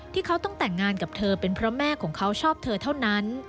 ที่เขาต้องแต่งงานกับเธอเป็นเพราะแม่ของเขาชอบเธอเท่านั้น